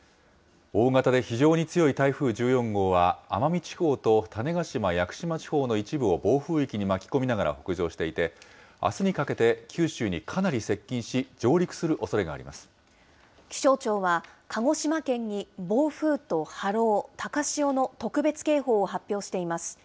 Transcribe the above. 大型で非常に強い台風１４号は、奄美地方と種子島・屋久島地方の一部を暴風域に巻き込みながら北上していて、あすにかけて九州にかなり接近し、上陸するおそれが気象庁は、鹿児島県に暴風と波浪、高潮の特別警報を発表しています。